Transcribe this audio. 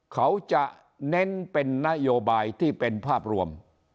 เขาจะเน้นเป็นนโยบายที่เป็นภาพรวม